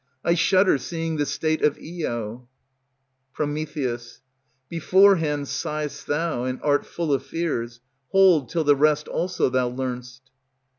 I shudder, seeing the state of Io. Pr. Beforehand sigh'st thou, and art full of fears, Hold till the rest also thou learn'st.